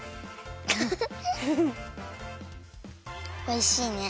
おいしいね。